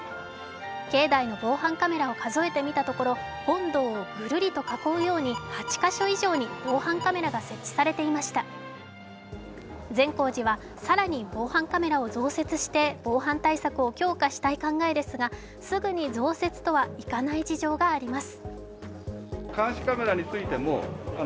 境内の防犯カメラを数えてみたところ、本堂をぐるりと囲うように、８か所以上に防犯カメラが設置されていました、善光寺は更に防犯カメラを増設して、防犯対策を強化したい考えですがすぐに増設とはいかない事情があります。